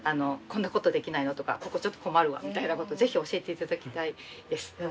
「こんなことできないの？」とか「ここちょっと困るわ」みたいなことぜひ教えて頂きたいです。